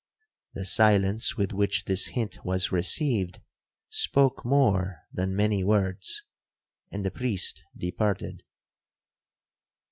The silence with which this hint was received spoke more than many words, and the priest departed.